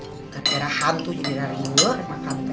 bukannya karena hantu sendiri yang dulu yang makan teh